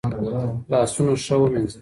لاسونه ښه ومینځه.